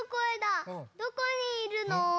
どこにいるの？